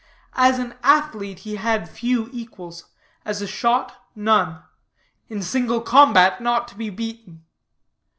As an athlete, he had few equals; as a shot, none; in single combat, not to be beaten.